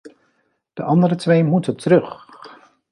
De andere twee moeten terug.